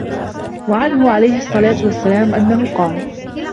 وَعَنْهُ عَلَيْهِ الصَّلَاةُ وَالسَّلَامُ أَنَّهُ قَالَ